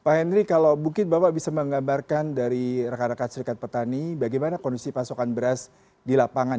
pak henry kalau mungkin bapak bisa menggambarkan dari rekan rekan serikat petani bagaimana kondisi pasokan beras di lapangan